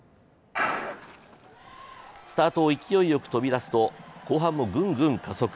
スタートを勢いよく飛び出すと、後半もグングン加速。